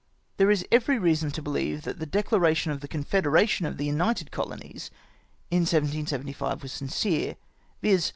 There is every reason to beheve that the declaration of the Con federation of the United Colonies in 1775 was sincere ; viz.